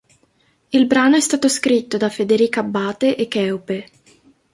Il brano è stato scritto da Federica Abbate e Cheope.